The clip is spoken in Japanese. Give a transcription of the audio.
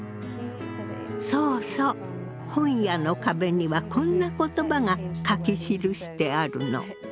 そうそう本屋の壁にはこんな言葉が書き記してあるの。